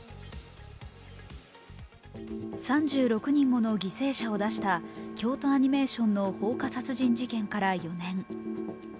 ３６人もの犠牲者を出した京都アニメーションの放火殺人事件から４年。